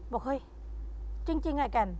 บอกเฮ้ยจริงอะแก่น